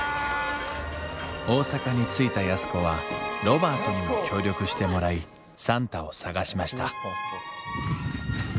大阪に着いた安子はロバートにも協力してもらい算太を捜しました